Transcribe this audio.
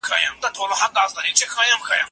سياسي اړيکي بايد د ملي ګټو پر بنسټ وي.